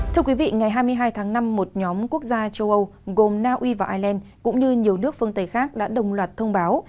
thưa quý vị ngày hai mươi hai tháng năm một nhóm quốc gia châu âu gồm naui và ireland cũng như nhiều nước phương tây khác đã đồng loạt thông báo